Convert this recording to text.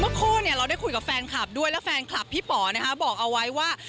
คู่เราได้คุยกับแฟนคลับด้วยและแฟนคลับพี่ป๋อนะคะบอกเอาไว้ว่า